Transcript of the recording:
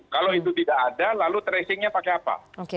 kalau itu tidak ada lalu tracing nya pakai apa